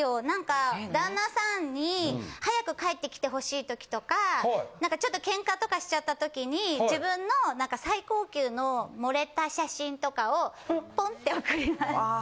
なんか、旦那さんに早く帰ってきてほしいときとか、ちょっとけんかとかしちゃったときに、自分の最高級の盛れた写真とかをぽんって送ります。